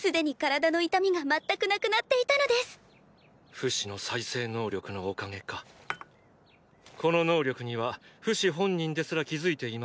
フシの再生能力のおかげかこの能力にはフシ本人ですら気付いていません。